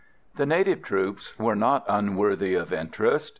The native troops were not unworthy of interest.